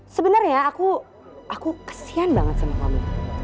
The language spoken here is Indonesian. sebenarnya aku kesian banget sama kamu